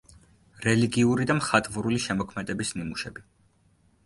რელიგიური და მხატვრული შემოქმედების ნიმუშები.